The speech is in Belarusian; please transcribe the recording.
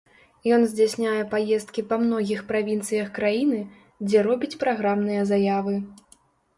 Ён здзяйсняе паездкі па многіх правінцыях краіны, дзе робіць праграмныя заявы.